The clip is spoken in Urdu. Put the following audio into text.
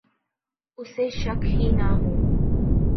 اسے شک ہی نہ ہو